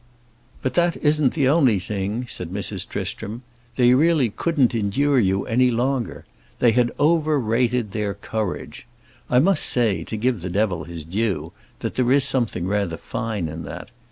"But that isn't the only thing," said Mrs. Tristram. "They really couldn't endure you any longer. They had overrated their courage. I must say, to give the devil his due, that there is something rather fine in that.